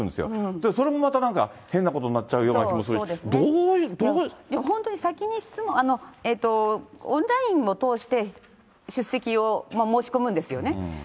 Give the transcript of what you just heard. だけどそれもまた今度変なことになっちゃうような気もするし、いや、本当に先に進む、オンラインを通して出席を申し込むんですよね。